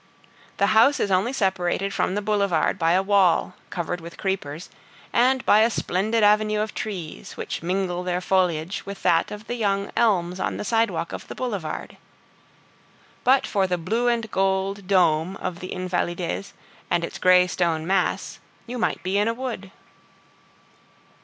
The house is only separated from the boulevard by a wall, covered with creepers, and by a splendid avenue of trees, which mingle their foliage with that of the young elms on the sidewalk of the boulevard. But for the blue and gold dome of the Invalides and its gray stone mass, you might be in a wood.